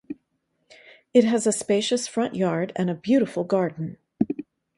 It has a spacious front yard and a beautiful garden.